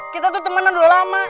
kita tuh temenan udah lama